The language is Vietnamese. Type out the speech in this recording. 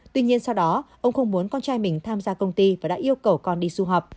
tuy nhiên sau đó ông không muốn con trai mình tham gia công ty và đã yêu cầu con đi du học